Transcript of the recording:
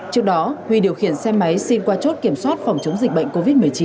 trước đó huy điều khiển xe máy xin qua chốt kiểm soát phòng chống dịch bệnh covid một mươi chín